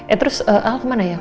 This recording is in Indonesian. eh terus kemana ya